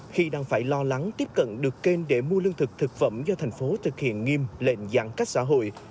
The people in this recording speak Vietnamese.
khi đang phải lo lắng tiếp cận được kênh để mua lương thực thực phẩm do thành phố thực hiện nghiêm lệnh giãn cách xã hội